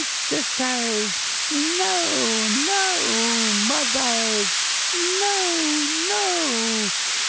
sisters! no! no! mothers! No! _no!